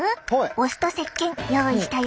お酢とせっけん用意したよ。